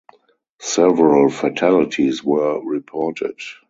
Several fatalities were reported.